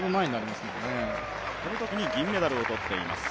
このときに銀メダルを取っています。